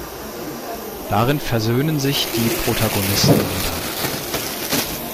Darin versöhnen sich die Protagonisten wieder.